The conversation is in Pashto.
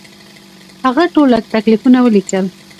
هغه ټول تکلیفونه ولیکل.